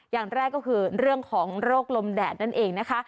อย่างแรกก็คือเรื่องของโรคลมแดดนั่นเองนะคะ